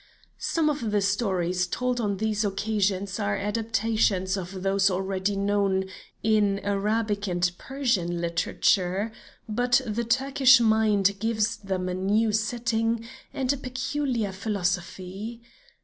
Some of the stories told on these occasions are adaptations of those already known in Arabic and Persian literature, but the Turkish mind gives them a new setting and a peculiar philosophy.